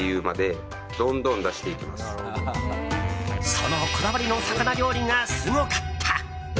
そのこだわりの魚料理がすごかった。